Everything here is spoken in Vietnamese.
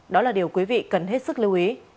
đó là điều quý vị cần hết sức lưu ý